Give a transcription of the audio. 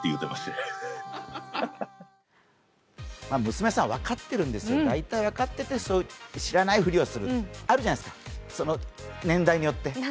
娘さん分かってるんですよ、大体分かってて知らないふりをするってあるじゃないですか、年代によって。